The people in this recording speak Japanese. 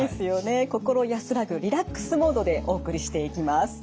心安らぐリラックスモードでお送りしていきます。